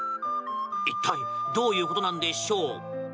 一体どういうことなんでしょう？